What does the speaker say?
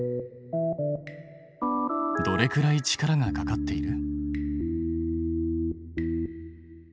どれくらい力がかかっている？